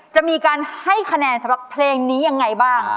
จะมีการให้คะแนนสำหรับเพลงนี้ยังไงบ้าง